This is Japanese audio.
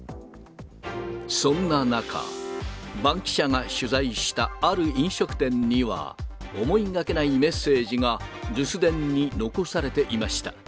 そんな中、バンキシャ！が取材したある飲食店には、思いがけないメッセージが留守電に残されていました。